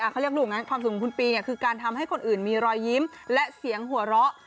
คือความสุขของคุณปีการทำให้คนอื่นมีรอยยิ้มและเสียงหัวเราะ